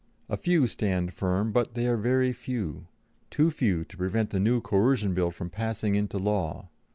A few stand firm, but they are very few too few to prevent the new Coercion Bill from passing into law.